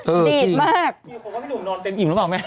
เพราะว่าพี่หนูนอนเต็มอิ่มรึเปล่าไหม